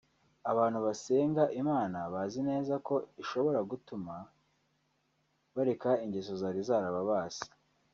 Abantu basenga Imana bazi neza ko ishobora gutuma bareka ingeso zari zarababase